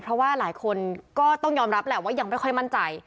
เพราะว่าหลายคนก็ต้องยอมรับแหละว่ายังไม่ค่อยมั่นใจ